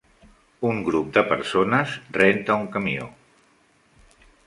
Un grup de persones renta un camió.